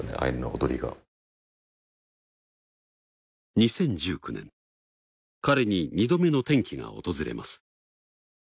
２０１９年彼に２度目の転機が訪れます。